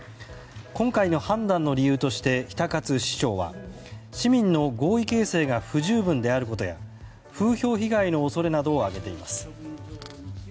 今回の判断の理由として比田勝市長は市民の合意形成が不十分であることや風評被害の恐れなどを挙げています。